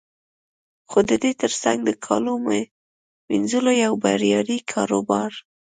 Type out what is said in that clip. خو د دې تر څنګ د کالو مینځلو یو بریالی کاروبار